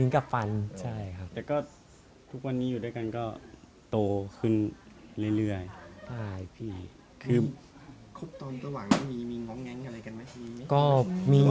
ครบตอนสัตว์หวังมีง้องแง้งอะไรกันไหม